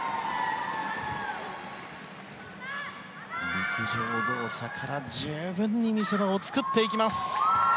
陸上動作から十分に見せ場を作っていきます。